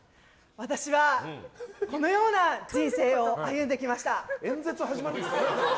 私は、このような人生を演説始まった？